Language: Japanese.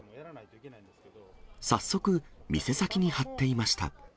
早速、店先に貼っていました。